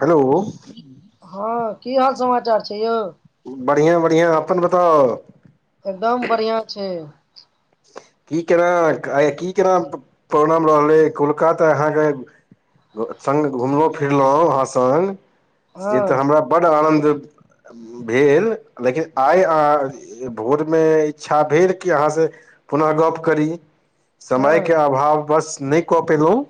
Hello हँ की हाल समाचार छै यो बढ़िआं बढ़िआं अपन बताउ एकदम बढ़ियां छै की केना आ की केना प्रोणाम रहलै कोलकाता अहाँके। संग घुमलहुँ फिरलहुँ अहाँ संग हँ जे तऽ हमरा बड्ड आनन्द भेल लेकिन आइ अ भोरमे इच्छा भेल कि अहाँसँ। पुनः गप्प करी हँ समयके अभाव बस नहि कऽ पयलहुँ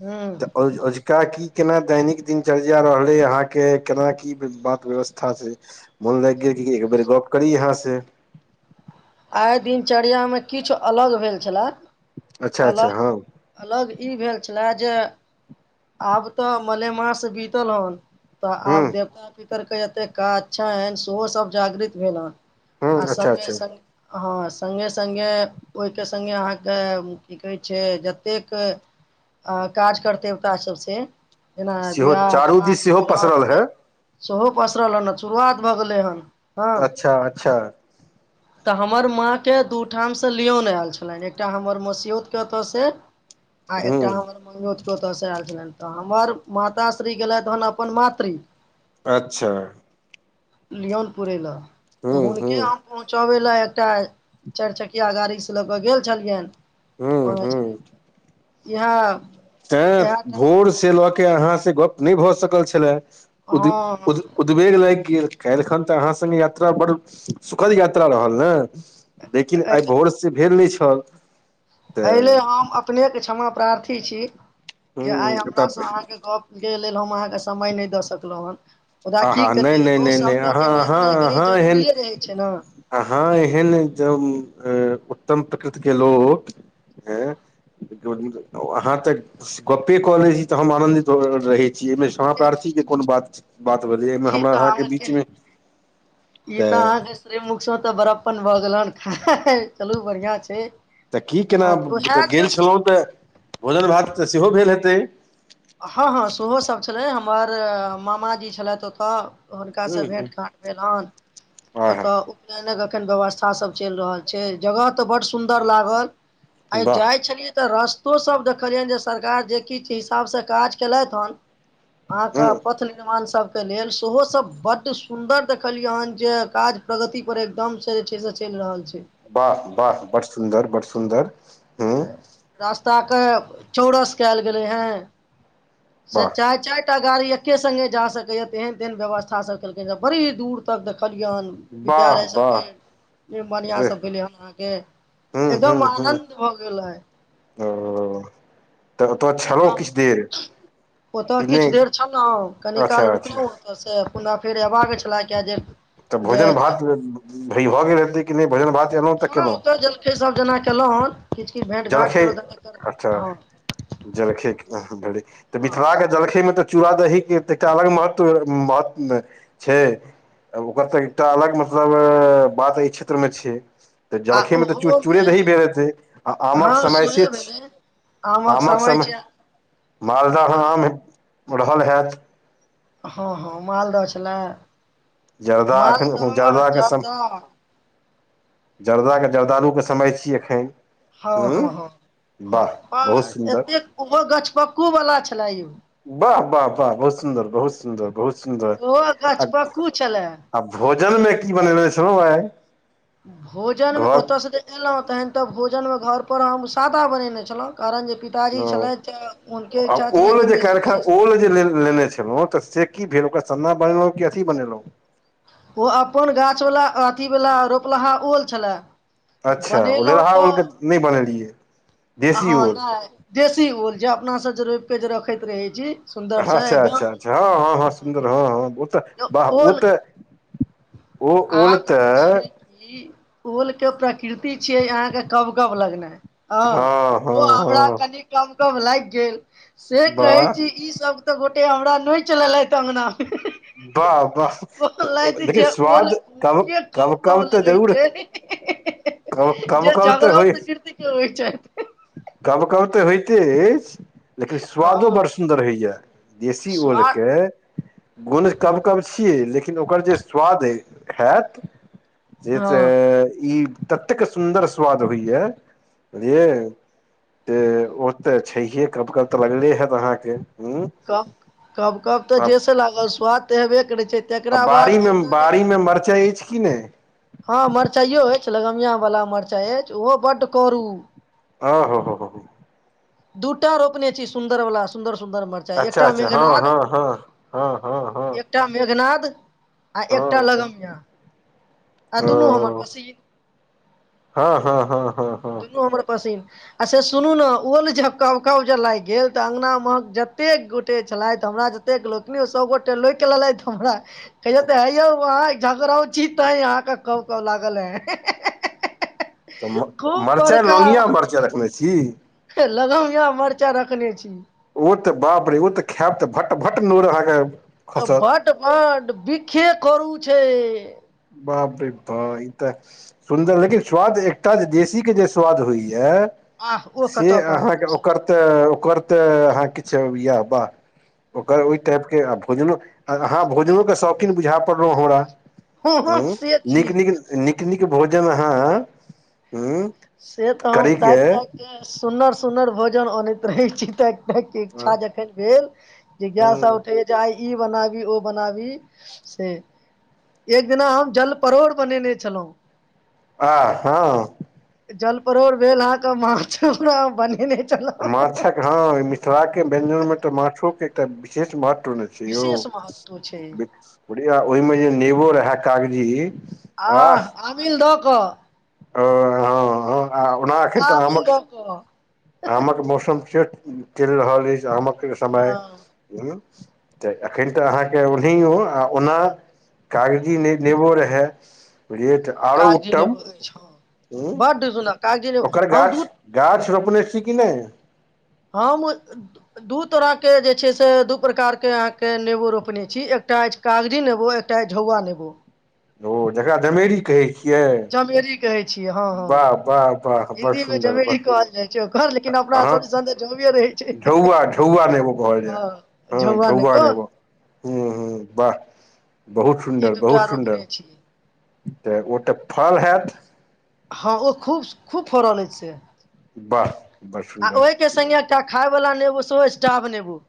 हू तऽ अजुका की केना दैनिक दिनचर्या रहलै अहाँके केना की बात व्यवस्था छै ते मोन लागि गेल कि एक बेेर गप करी अहाँ से आइ दिनचर्यामे किछु अलग भेल छलए अच्छा अच्छा अलग हँ अलग ई भेल छले जे आब तऽ मलेमास बीतल हन तऽ हूँ आब देवता पितरके एतेक का छैन सेहो सभ जागृत भेल ह हूँ आ अच्छा सगे अच्छा स हँ संगे संगे ओहिके संगे अहाँके की कहै छै जतेक आ काज करतेब ता सबसेजेना सेहो बिवाह चारू दिस दान सेहो मुड़न पसरल है उ सेहो पसरल हन शुरुआत भऽ गेलै हन हँ अच्छा अच्छा तऽ हमर माँके दू ठामसँ लियौन आयल छलनि एकटा हमर मसिसियोतके ओतऽसँ [inaudible] आ एकटा हमर ममियोतके ओतयसँ आयल छलनि तऽ हमर माताश्री गेलैथ हेन अपन मातृ अच्छा लियोन पुरय लए हूँ तऽ हूँ हुनके हम पहुँचबै लए एकटा चारि चकिया गाड़ी से लऽ क गेल छलियनि हूँ कह हूँ छलिय इह इहठ ते लऽ के अहाँ से गप नहि भऽ सकल छल उ हँ उद् बेेग लागि गेल कालहिखन तऽ अहाँ संगे यात्रा बड़ सुखद यात्रा रहल ने लेकिन आइ एहि भोर से भेल नहि छल ऐले तऽ हम अपने के क्षमा प्रार्थी छी जे आइ हूँ हमरा तब से अहाँ के गप के लेल हम अहाँके समय नहि दऽ सकलहुँ हेन ओदा की आहा नहि करियए नहि इहो नहि नहि शब्द अहाँ के अहाँ देखनाइ कनी अहाँ एहन जरूरिेए रहै छै ने अहाँ एहन जब उत्तम प्रकृतिके लोक हँ देख अहाँ तऽ गप्पे कऽ ले छी तऽ हम आनंदित रहैत छी मे सह क्षमाप्रार्थी के कोन बात बात बे ई तऽ अहा के ई त तऽ अहा के स मुख तऽ बरफ्पन भऽ गेलन चलू बढ़िया छै तऽ की केना उएह गेल जे छलहुँ तऽ भोजन भात तऽ सेहो भेल हेतै हँ हँ सेहोसभ छलै हमर मामाजी छलैथ ओतय हुनकासँ ह भेँट घाँट भेल हन आहा ओतऽ एखन व्यवस्था सब चलि रहल छै जगह तऽ बड्ड सुन्दर लागल आइ वाह जाइत छलियै तऽ रस्तो सब देखलियनि जे सरकार जे किछ हिसाबसँ काज केलैथ हन अहा के ह पथ निर्माण लेल सेहो सब बड्ड सुन्दर देखलियै हन जे काज प्रगति पर एकदम से जे छै से चलि रहल छै वाह वाह बड्ड सुन्दर बड्ड सुन्दर ह रास्ता के चौरस कयल गेले हें वाह सचाय चाय एकटा गाड़ी एके संगे जा सकै या तेहन तेहन व्यवस्था सब केलकैन जे बड़ी दूर तक देखलियन वाह विद्यालय वाह सबके बनिया एह सब भेले हेन अहाँ के ह ह एकदम ह आनंद भ गेले ओ तऽ ओतऽ छलहुँ किछु देर ओतऽ कि नहि किछु देर छलौ कनि अच्छा काल अच्छा रुकलहु ओ ओतसँ पुनः फेर एबाक छलै किए जे तऽ जे भोजन भात भय भऽ गेल हेतै कि नहि भोजन भात एनो हँ ओतऽ जलखै सब जेना केलहु हन किछु किछ भेट घाट कर हँ जलखै [unintelligible] हँ मिथिला क जलखै मे तऽ चूड़ा दही के एकटा अलग महत्व महत्व छै ओकर तऽ एकटा अलग मतलब बात एहि क्षेत्र मे छै तऽ आ जलखैमे तऽ चू चूड़े ओहोमे दही भेल हेतै आ आमक हँ समय से सेहे छै भेलै आमक समय मालदह आम रहल हेत हँ हँ मालदह छलै जर्दा एखन मालदह जर्दाके सम जारदह जर्दाके जर्दारूके समय छियै एखन हँ हूँ हँ वाह हँ बहुत सुन्दर एते ओ गछपक्कू वाला छलेए यौ वाह वाह वाह बहुत सुन्दर बहुत सुन्दर बहुत सुन्दर ओहो आ गछपक्कू छलए आ भोजन मे की बनेेले छलो आइ भोजनमे घर ओतऽसँ जे एलहुं तहन ते भोजनं घर पर हम सादा बनेने छलौ कारण जे पिताजी ह छलथि हुनके आ इच्छा छलनि ओल जे बेसी कैलखन विशेष नहि ओल जे करी लेने छलहुँ तऽ से की भेल ओकरा सन्ना बनेलहु की अथी बनेलहुँ ओ अपन गाछ वला अथी वला रोपलाहा ओल छले अच्छा ओल रहा उलके नहि बनेेलियए हँ नाय देशी ओल जे अपनासँ जे रोपिके जे रखैत रहै छी सुन्दरसँ अच्छा अच्छा एकदम अच्छा हँ हँ हँ सुन्दर हँ हँ ओ तऽ बाह ओ ओल तऽ ओ ओल आब तऽ छै कि ओलके प्रकृति छिय अह कव कब लगनै ह हँ हँ ओ हमरा हँ कनि कम कम लागि गेल से कहै वाह छी ई सब तऽ गोटे हमरा नौचलेलथि अंगना मे बाह बाह ओ हुनके कवकव तऽ लगै जरूर छै कब कब जे कब तऽ जागराउ होइ प्रकृति च छै कब कब तऽ होइत‌त अइछ लेकिन स्वादो हँ बड़ सुन्दर होइए देशी स्वाद ओलके गुण कब कब छियै लेकिन ओकर जे स्वाद अ हैत जे हँ तऽ ई ततेक सुन्दर स्वाद होइया बुझलियै त ओ तऽ छैहे कब कब तऽ लगले हेत अहाँके हूँ कब कब कब तऽ आब जेैस लागल स्वाद तऽ हेबे करै छै आ तकरा बाद बाड़ी मे अंगना लोक बाड़ी मे मरचाइ अछि कि नहि हँ मरचाइयो अछि लगमिय वला मरचाइ अछि ओहो बड्ड करू अ ह ह ह ह दू टा रोपने छी सुन्दर वाला सुन्दर सुंन्दर मर अच्छा अच्छा हँ हँ हँ हँ हँ हँ एकटा मेघनाद आ हँ एकटा हँ लगमिया आ हँ दुनू हमर पसी हँ हँ हँ हँ हँ दुनू हमर पसीन आ से सुनू ने ओल ज कब कब जे लागि गेल तऽ अंगनामेहक जतेक गोटे छलैथ हमरा ज एक लोकनि सब गोटे लोइक लेलथि हमरा कहेे हे यौ वह झगड़ाउ छी तयहअहाँके कब क लागल है तऽ मरचाइ लौगिआ मरचाइ रखने छी लगमिया मरचा रखने छी ओ तऽ बाप रे ओ तऽ खायब तऽ भट्ट भट्ट नोर अहाँके खसत भट बट बीखे करू छै बाप रे बाह ई तऽ सुन्दर लेकिन स्वाद एकटा जे देशी के जे स्वाद होइया आह ओ से कतऽ पाबी अहाँके दोसर ओकर ठाम तऽ ओकर तऽ अहाँ किछु यए वा ओकर ओहि टाइपके आ भोजनो अहाँ भोजनोके शौकीन बुझा पड़लहुँ हमरा ह हँ से छी नीक नीक नीक नीक भोजन अहा हु से तऽ हम ताकि तायककऽ सुन्दर सुन्दर भोजन अनैत रहैत छी ताकि हूँ छ [unintelligible] एखन भेल जे गायस उठैया जे आइ ई बनाबी ओ बनाबी से एक दिना हम जल परोड़ बनेने छलहुँं आ हँ जल परोर भेल अहाँके माछरो बनेने छलहुँ माछक हँ मिथिला के व्यंजन मे तऽ माछोक के एकटा विशेष महत्व ने छै से यौ विशेष महत्व छै बढ़िया ओहिमे जे नेबो रहै कागजी आ आमिल दऽ कऽ ओ हँ आ ओना एखन तऽ आमिल आमक दऽ कऽ आमक मौसम से चलि रहल अछि आमक समय हँ तऽ एखन तऽ अहाँके ओहि ओना कागजी नेबो रहे हे बुझियै त आरो उत्तम हूं कतेक सुनब ओकर गाछ गाछ रोपने छी कि नहि हँ [unintelligible] दू तरहके जे छै से दू प्रकारके अहाँके नेबो रोपने छी एकटा अछि कागजी नेबो एकटाअछि झौआ नेबो ओ जकरा जमेरी कहै छियै जमेरी कहे छियै हँ हँ वाह वाह वाह बड़ हिन्दी मे सुन्दर बड़ जमेरी कहल जाइ छै ओकर लेकिन अपना अहाँ सब झौआ रहै छै झौआ झौआ नेबो कहलजे हँ झौआ नेबो हँ हँ वाह बहुत ई सुन्दर बहुत दूटा सुन्दर रोपने छी तऽ ओ तऽ फ हैत हँ ओ खूब खूब फरल अछि से वाह बड़ आ सुन्दर ओहिके संगे एकटा खाय वाला नेबो सेहो अछि टाभ नेबो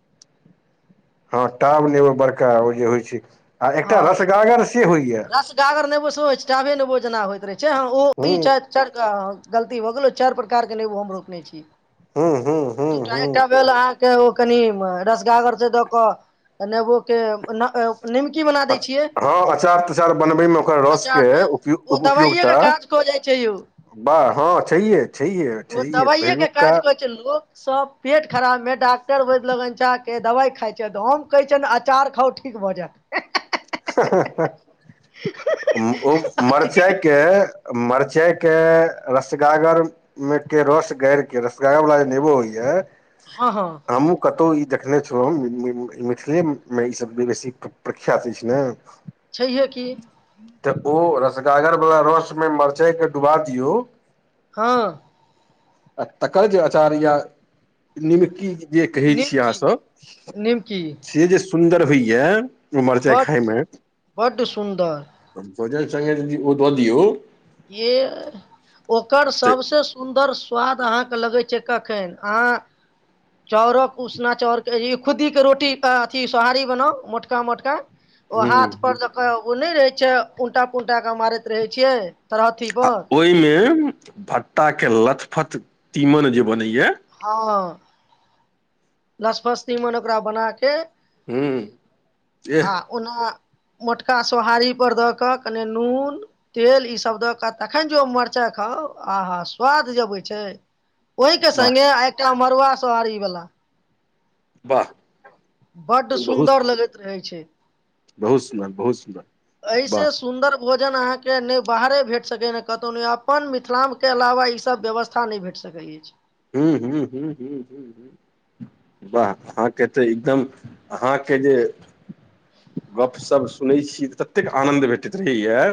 हँ टाभ नेबो बड़का ओ जे होइ छै आ एकटा रसगागर से होइया रसगागर नेबो सेहो होइ छै टाभे नेबो जेना होइत रहै छै हँ ओ हूँ ई छथि चार गलती भऽ गेलो चारि प्रकार के नेबो हम रोपने छी हू हू ह दूटा एकटा भेल अहाँके ओ कनि रसगागर जे दऽ कऽ नेबो के [unintelligible] निमकी बना दै अच छियै हँ अचार तचार बनबैमे ओकर अचार रसके मे उपय ओ दवाइए के उपयोगिता काज कऽ जाइ छै यौ वाह हँ छैेहिये छैेहिये छैेहिये पहिलुकका चलू [unintelligible] सब पेट खराबमे डॉक्टर वैद्य लगनजाके दवाई खाई छैथ तऽ हम कहै छियनि अचार खाउ ठीक भऽ जायत ह ह ह ओ जायत मरचाई ठीक के मरचाई के रसगागर मे के रस गाड़ के रसगागर वला जे नेबो होइ ये हँ हँ हमहू कतहु ई देखने छलहुँ हम मिथिलेमे ईसभ बेसी प्रख्यात अछि ने छैहे की तऽ ओ रसगागर बला रस मे मरचाई के डुबा दियऔ हँ आ तकर जे आचार या निमकी जे कहै छी निमकी अहाँसभ निमकी से जे सुन्दर होइया ओ मरचाइ बड्ड खाईमे बड्ड सुन्दर भोजन संगे ओ यदि दऽ दिऔ ये अ ओकर तऽ सभसे सुन्दर स्वाद अहाँके लगै छैय कखन अहाँ चाउरक उसना चाउर के खुद्दी के रोटी अथी सोहारी बनाउ मोटका मोटका ओ हाथ ह पर जका नहि रहै छैय उलटा पुलटाक मारैत रहे छियै तरहथी आ पर ओहिमे भट्टा के लथपथ तीमन जे बनैया हँ लसफस तिमन ओकरा बनाके हूँ एह आ ओना मोटका सोहारीपर दऽ कऽ कने नून तेल ईसभ दऽ कऽ आ तखन जे ओ मरचाय खाउ आहा स्वाद जे अबैत छैय। ओहिके वाह संगे आ एकटा मड़ुआ सोहारी वला। वाह बड्ड बहुत सुन्दर लगैत रहै छैय। बहुत सुन्दर बहुत सुन्दर। अहिसे वाह सुन्दर भोजन अहाँ के नहि बाहरे भेट सकैया ने कतौ ने अपन मिथिला के अलावा ई सब व्यवस्था नहि भेट सक सकै अछि। हूँ हूँ हूँ हूँ हूँ हूँ वाह अहाँके तऽ एकदम अहाँके जे गपशप सुनै छी ततेक आनन्द भेटैत रहैया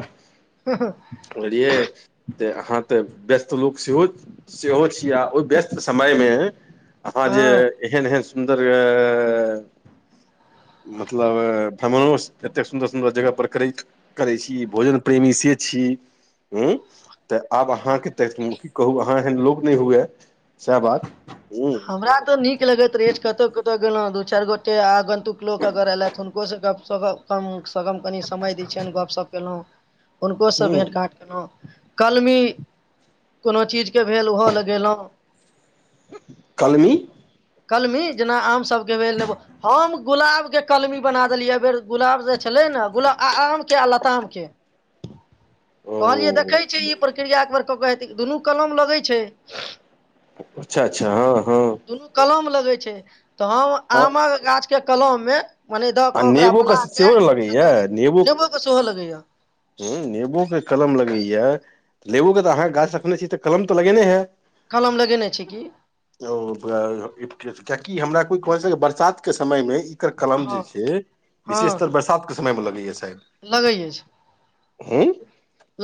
हँ हँ बुझलियै त अहाँ त व्यस्त लोक सेहो सेहो छियै आ व्यस्त समयमें अहाँ जे हँ एहन एहन सुन्दर अ मतलब भ्रमणो एते एतेक सुन्दर सुन्दर जगह पर करैत करै छी भोजन प्रेमी से छी हू। त आब अहाँके त की कहू अहाँ एहन लोक नहि हुए सैह बात हुँ। हमरा त नीक लगैत रहै कतौ कतौ गेलहुँ दू चारि गोटे आंगनतुक लोक अगर एयलथि हुनको से गप शप कम सगम कनि समय दै छियन गपशप केलौ। [inaudible] हुनकोसँ हूँ भेँट घाट केलहुँ। कलमी कोनो चीजके भेल ओहो लगेलहुँ। कलमी कलमी जेना आम सभके भेल एगो हम गुलाबके कलमी बना देलियै एहि बेर गुलाब जे छलै ने गुलाब आमके आ लतामके। [inaudible] कहलियै देखै छियै ई प्रक्रिया एकबर क के हेतै दुनू कलम लगै छैय। अच्छा अच्छा हँ हँ दुनू कलम लगै छैय त हम आ आमक गाछके कलम मे मने द आ क ओकरा नेबोके बनाके सेहो ने आ लगैया द देलियै नेबो के सेहो लगैया। हूँ नेबो के कलम लगैया लेवोके त अहाँ गाछ रखने छी त कलम त लगेने है? कलम लगेने छी की। ओ कियाकि हमरा कोय कह [unintelligible] बरसात के समय मे एकर कलम हँ जे छैय विशेषतर बरसात के समय मे लगैया शायद? लगैए छैय। हूँ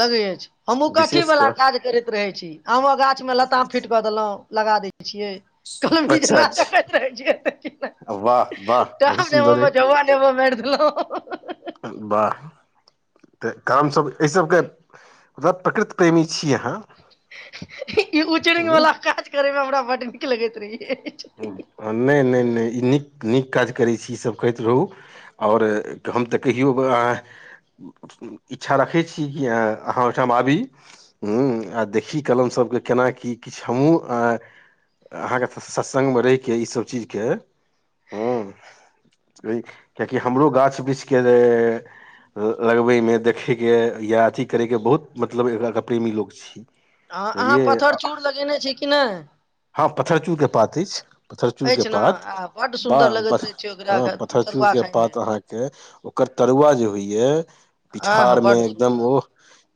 लगै अछि हमहु कथी विशेष वाला कऽ काज करैत रहै छी आमक गाछमे लताम फीट द देलहुँ लगा दै छियै [inaudible] माइर अच्छा अच्छा वाह वाह बहुत सुन्दर देलहु [unintelligible] बाह त काम सब ऐ सबके बहुत प्रकृत प्रेमी छी अहाँ ई उचड़िण हूँ वला काज करे में हमरा बड़ नीक लगैत रहियै अछि नाए नाए नाए ई नीक नीक काज करैत छी ईसभ करैत रहूँ और हम त कहियौ आ इच्छा रखै छि की अहाँ ओहिठा आबी हूँ आ देखी कमल सभ के केना की किछ हम हूँ आ अहाँके सत्संग मे रहिके ईसब चीज के हूँ किया की हमरो गाछ वृक्ष के लगबे मे देखैके या अथी करैके बहुत मतलब एकरा के प्रेमी लोक अछि ह अहाँ पत्थर चूर लगेने छि कि नाए हँ पत्थर चूर के पात अछि पत्थर चूर के अछि ने पात आ बड्ड सुन्दर बाह लगैत रहै छै ओकरा ह पत्थर चूर तरुआ के पात खायमे अहाँ के ओकर तरुआ जे होइए आह पिठार मे बड्ड एकदम सुन्दर ओ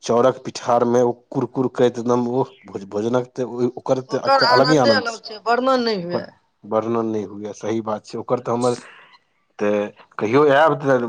चाउरक पिठार मे ओ कुरकुर करैत एकदम ओ भोजनक त ओकर आनंदे अलग छै वर्णन नाए हुए ओकर वर्णन नाए हुए सही बात छै ओकर त हमर त कहियो आयब त